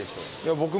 僕も。